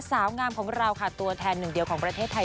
สาวงามของเราค่ะตัวแทนหนึ่งเดียวของประเทศไทย